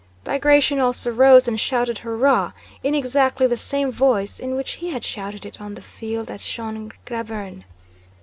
Bagratión also rose and shouted "Hurrah!" in exactly the same voice in which he had shouted it on the field at Schön Grabern.